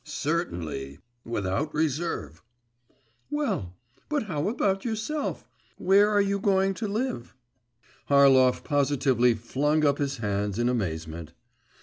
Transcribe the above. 'Certainly, without reserve.' 'Well, but how about yourself where are you going to live?' Harlov positively flung up his hands in amazement.